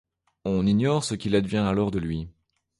On ignore ce qu'il advient alors de lui.